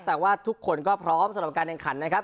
แต่ว่าทุกคนก็พร้อมสำหรับการแข่งขันนะครับ